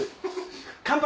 乾杯！